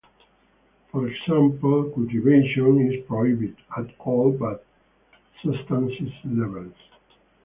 For example, cultivation is prohibited at all but subsistence levels.